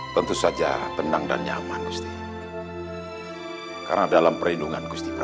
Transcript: kau jangan khawatir